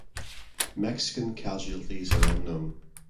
Mexican casualties are unknown.